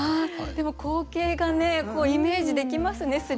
でも光景がねイメージできますね。